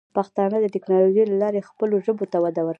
پښتانه د ټیکنالوجۍ له لارې خپلو ژبو ته وده ورکوي.